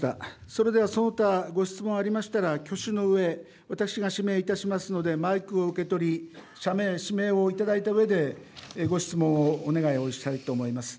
それでは、その他ご質問がありましたら挙手の上私が指名いたしますのでマイクを受け取り社名、氏名をいただいた上でご質問をお願いをしたいと思います。